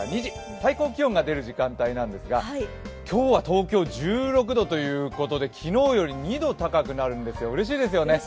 最高気温が出る時間帯なんですが今日は東京、１６度ということで昨日より２度高くなるんですよ、うれしいですね。